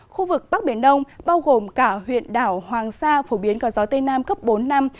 khu vực bắc biển đông bao gồm cả huyện đảo hoàng sa phổ biến có gió tây nam cấp bốn năm